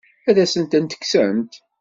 Ad asen-tent-kksent?